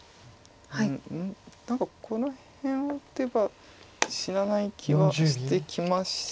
何かこの辺を打てば死なない気はして。